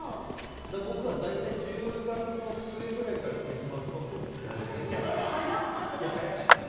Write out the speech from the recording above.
僕は大体１０月末ぐらいからクリスマスソングを聴き始めるんです。